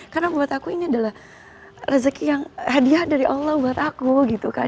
karena buat aku ini adalah rezeki yang hadiah dari allah buat aku gitu kan